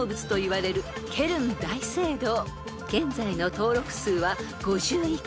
［現在の登録数は５１件］